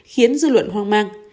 khiến dư luận hoang mang